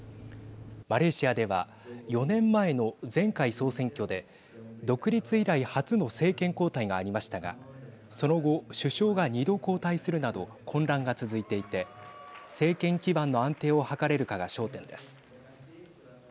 マレーシアでは４年前の前回総選挙で独立以来初の政権交代がありましたがその後、首相が２度交代するなど混乱が続いていて、政権基盤の安定を図れるかが焦点です。